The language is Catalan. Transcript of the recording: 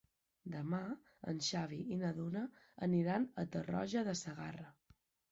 Demà en Xavi i na Duna iran a Tarroja de Segarra.